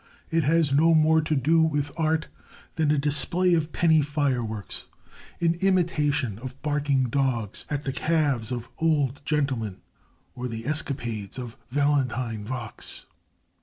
It has no more to do with art than a display of penny fireworks, an imitation of barking dogs at the calves of old gentlemen, or the escapades of Valentine Vox.